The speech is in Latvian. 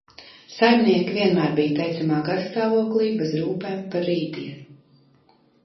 Saimnieki vienmēr bija teicamā garastāvoklī, bez rūpēm par rītdienu.